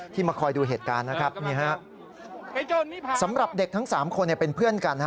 มาคอยดูเหตุการณ์นะครับนี่ฮะสำหรับเด็กทั้ง๓คนเป็นเพื่อนกัน